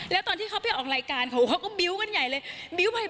แล้วตอนที่เขาไปออกรายการเขาก็บิ้วกันใหญ่เลย